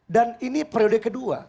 dan ini periode kedua